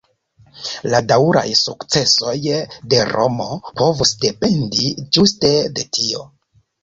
La daŭraj sukcesoj de Romo povus dependi ĝuste de tio.